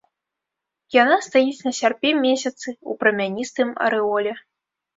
Яна стаіць на сярпе-месяцы, у прамяністым арэоле.